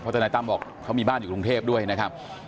ทนายตั้มบอกเขามีบ้านอยู่กรุงเทพด้วยนะครับ